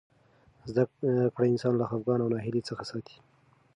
زده کړه انسان له خفګان او ناهیلۍ څخه ساتي.